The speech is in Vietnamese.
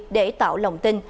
để tạo lòng tin